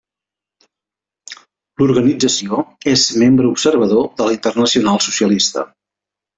L'organització és membre observador de la Internacional Socialista.